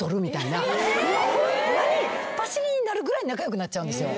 パシリになるぐらい仲良くなっちゃうんですよ。